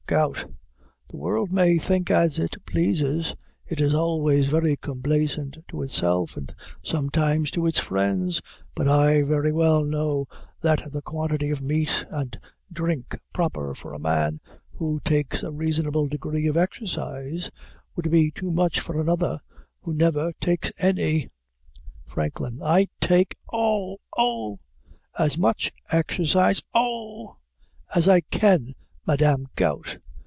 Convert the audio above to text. GOUT. The world may think as it pleases; it is always very complaisant to itself, and sometimes to its friends; but I very well know that the quantity of meat and drink proper for a man, who takes a reasonable degree of exercise, would be too much for another, who never takes any. FRANKLIN. I take eh! oh! as much exercise eh! as I can, Madam Gout.